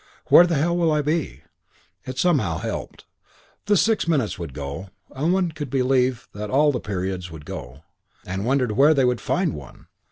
Where the hell will I be?" It somehow helped. The six minutes would go, and one could believe that all the periods would go, and wonder where they would find one.